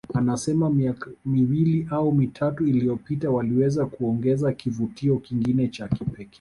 Anasema miaka miwili au mitatu iliyopita waliweza kuongeza kivutio kingine cha kipekee